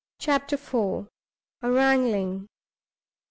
CHAPTER iv. A WRANGLING.